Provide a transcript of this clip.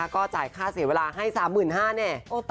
ก็จ่ายค่าเสียเวลาให้๓๕๐๐๐บาทเนี่ย